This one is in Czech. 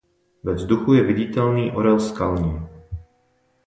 Ve vzduchu je viditelný orel skalní.